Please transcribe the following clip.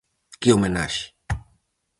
Que homenaxe?